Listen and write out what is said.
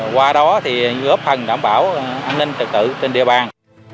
qua đó thì góp phần đảm bảo an ninh trật tự trên địa bàn